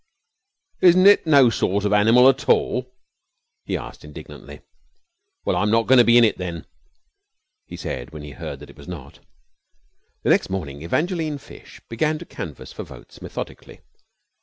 "Isn't it no sort of animal at all?" he asked indignantly. "Well, I'm not going to be in it, then," he said when he heard that it was not. The next morning Evangeline Fish began to canvass for votes methodically.